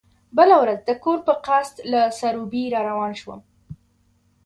بله ورځ د کور په قصد له سروبي را روان شوم.